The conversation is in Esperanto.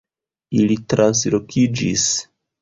Ili translokiĝis